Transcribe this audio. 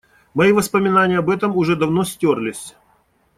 Мои воспоминания об этом уже давно стёрлись.